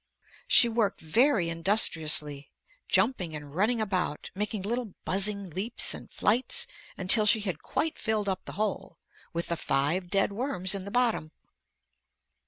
She worked very industriously: jumping and running about, making little buzzing leaps and flights, until she had quite filled up the hole with the five dead worms in the bottom.